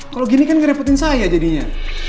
kalau gini kan ngerepotin saya jadinya